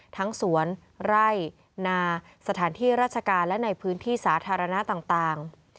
ทั้งสวนไร่นาสถานที่ราชการและในพื้นที่สาธารณะต่าง